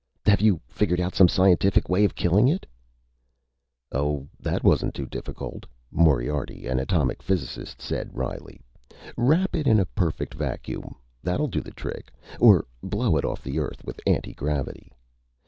"Have you figured out some scientific way of killing it?" "Oh, that wasn't too difficult," Moriarty, an atomic physicist, said wryly. "Wrap it in a perfect vacuum. That'll do the trick. Or blow it off the Earth with anti gravity."